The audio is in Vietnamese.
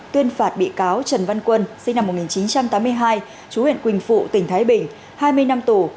tuyên phạt bị cáo trần văn quân sinh năm một nghìn chín trăm tám mươi hai chú huyện quỳnh phụ tỉnh thái bình hai mươi năm tù